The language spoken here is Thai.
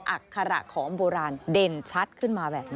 อัคระของโบราณเด่นชัดขึ้นมาแบบนี้